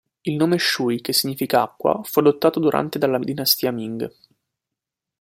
Il nome Shui, che significa acqua, fu adottato durante dalla dinastia Ming.